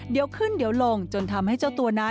เดี๋ยวขึ้นเดี๋ยวลงจนทำให้เจ้าตัวนั้น